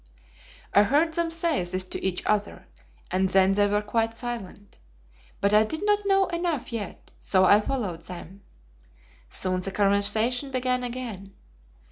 "I heard them say this to each other, and then they were quite silent; but I did not know enough yet, so I followed them. Soon the conversation began again.